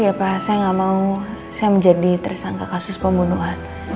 ya pak saya gak mau saya menjadi tersangka kasus pembunuhan